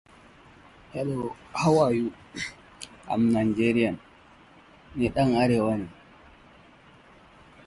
Sheila Klein named the architecture of the station, "Underground Girl".